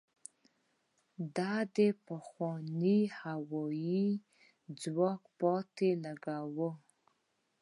دا د پخواني هوايي ځواک پاتې لوګو وه.